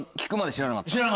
知らなかった。